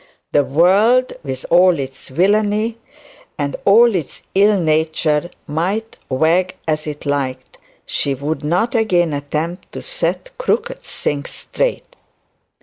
The world with all its villainy, and all its ill nature, might wag as it like; she would not again attempt to set crooked things straight.